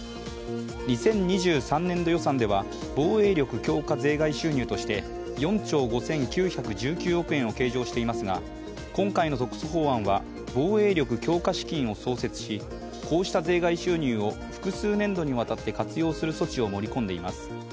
２０２３年度予算では防衛力強化税外収入として４兆５９１９億円を計上していますが今回の特措法案は防衛力強化資金を創設しこうした税外収入を複数年度にわたって活用する措置を盛り込んでいます。